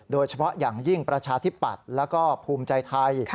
โดยเฉพาะอย่างยิ่งประชาธิปัตย์แล้วก็ภูมิใจไทย